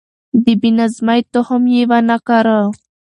د بې نظمۍ تخم يې ونه کره.